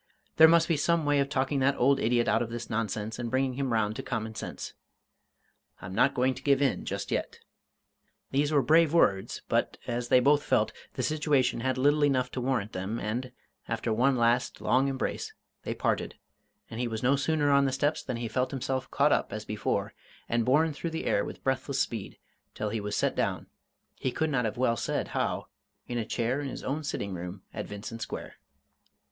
There must be some way of talking that old idiot out of this nonsense and bringing him round to common sense. I'm not going to give in just yet!" These were brave words but, as they both felt, the situation had little enough to warrant them, and, after one last long embrace, they parted, and he was no sooner on the steps than he felt himself caught up as before and borne through the air with breathless speed, till he was set down, he could not have well said how, in a chair in his own sitting room at Vincent Square.